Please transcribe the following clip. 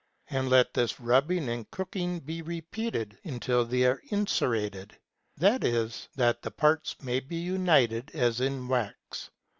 And let this rubbing and cooking be repeated until they are incerated ; that is, that the parts may be united as in wax.